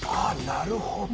なるほど！